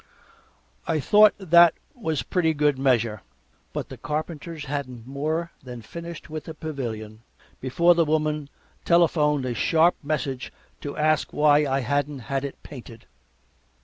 I thought that was pretty good measure, but the carpenters hadn't more than finished with the pavilion before the woman telephoned a sharp message to ask why I hadn't had it painted.